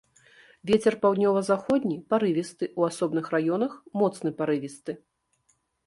Вецер паўднёва-заходні парывісты, у асобных раёнах моцны парывісты.